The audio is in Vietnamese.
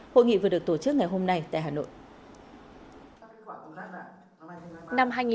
hội nghị vừa được tổ chức ngày hôm nay tại hà nội